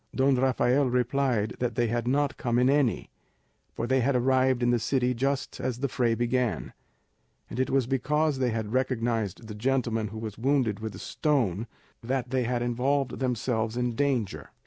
Don Rafael replied that they had not come in any, for they had arrived in the city just as the fray began; and it was because they had recognised the gentleman who was wounded with a stone that they had involved themselves in danger.